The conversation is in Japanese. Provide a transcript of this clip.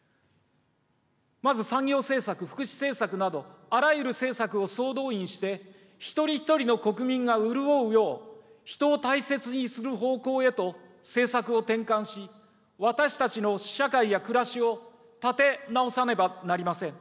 まず産業政策、福祉政策など、あらゆる政策を総動員して、一人一人の国民が潤うよう、人を大切にする方向へと政策を転換し、私たちの社会や暮らしを立て直さねばなりません。